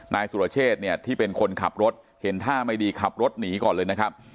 นายสุรเชษเนี่ยที่เป็นคนขับรถเห็นท่าไม่ดีขับรถหนีก่อนเลยนะครับ